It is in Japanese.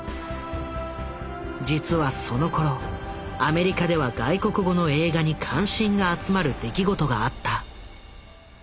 実はそのころアメリカでは外国語の映画に関心が集まる出来事があった。